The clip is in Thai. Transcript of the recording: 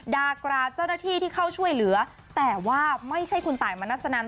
ดากราเจ้าหน้าที่ที่เข้าช่วยเหลือแต่ว่าไม่ใช่คุณตายมณัสนัน